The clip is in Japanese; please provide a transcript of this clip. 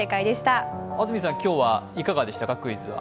安住さん、今日はいかがでしたか？